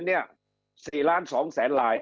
เนี่ย๔ล้าน๒แสนลาย